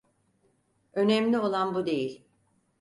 Önemli olan bu değil.